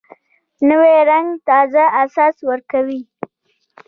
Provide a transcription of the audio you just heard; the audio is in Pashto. نوی رنګ تازه احساس ورکوي